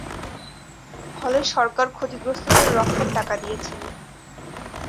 ফলে সরকার ক্ষতিগ্রস্তদের রক্তের টাকা দিয়েছে।